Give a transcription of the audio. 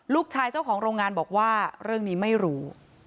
เจ้าของโรงงานบอกว่าเรื่องนี้ไม่รู้